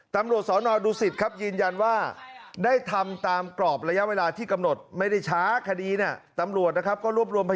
ตำรวจสอร์นทดุสิทธิ์ยินยันว่าได้ทำตามกรอบระยะเวลาที่กำหนดไม่ได้ช้ากดีนะตำรวจนะครับ